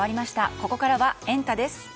ここからはエンタ！です。